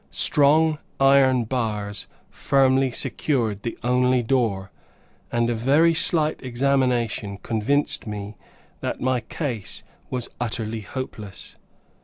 Strong iron bars firmly secured the only door, and a very slight examination convinced me that my case was utterly hopeless.